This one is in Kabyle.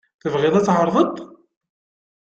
Tebɣiḍ ad tεerḍeḍ-t?